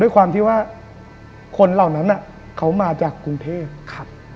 ความที่ว่าคนเหล่านั้นเขามาจากกรุงเทพครับ